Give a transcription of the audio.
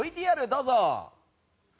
ＶＴＲどうぞ。